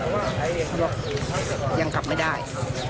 ก็บอกยังกลับไม่ได้